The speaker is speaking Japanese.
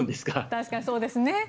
確かにそうですね。